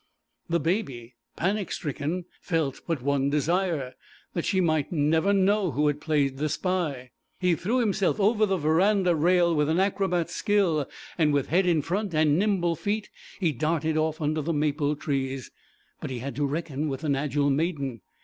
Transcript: The Baby, panic stricken, felt but one desire, that she might never know who had played the spy. He threw himself over the verandah rail with an acrobat's skill, and with head in front and nimble feet he darted off under the maple trees: but he had to reckon with an agile maiden.